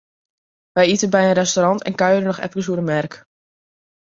Wy ite by in restaurant en kuierje noch efkes oer de merk.